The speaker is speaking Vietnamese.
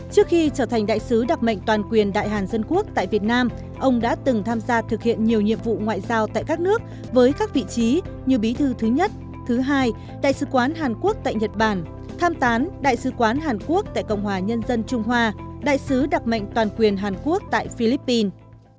trước khi trở thành đại sứ đặc mệnh toàn quyền đại hàn dân quốc tại việt nam ông đã từng tham gia thực hiện nhiều nhiệm vụ ngoại giao tại các nước với các vị trí như bí thư thứ nhất thứ hai đại sứ quán hàn quốc tại nhật bản tham tán đại sứ quán hàn quốc tại cộng hòa nhân dân trung hoa đại sứ đặc mệnh toàn quyền hàn quốc tại philippines